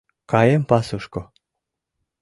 Каем пасушко...